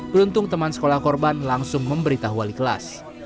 beruntung teman sekolah korban langsung memberitahu wali kelas